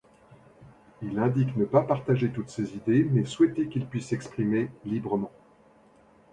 Il indique ne pas partager toutes ses idées mais souhaiter qu'il puisse s'exprimer librement.